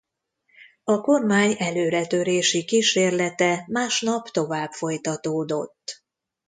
A kormány előretörési kísérlete másnap tovább folytatódott.